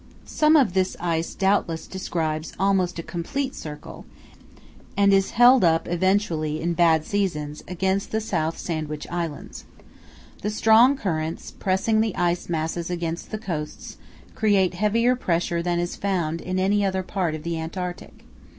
Some of this ice doubtless describes almost a complete circle, and is held up eventually, in bad seasons, against the South Sandwich Islands. The strong currents, pressing the ice masses against the coasts, create heavier pressure than is found in any other part of the Antarctic.